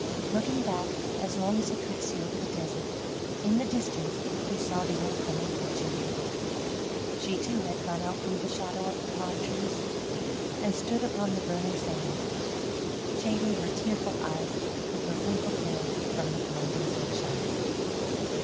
Looking back, as long as he could see over the desert, in the distance he saw the old woman watching him. She, too, had gone out from the shadow of the palm trees, and stood upon the burning sand, shading her tearful eyes with her wrinkled hand from the blinding sunshine.